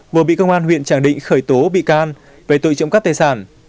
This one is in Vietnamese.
vừa bị công an huyện tràng định khởi tố bị can về tội trộm cắp tài sản